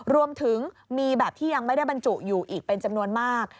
รวมถึงมีแบบที่ยังไม่ได้บรรจุอยู่อีกเป็นจำนวนมาก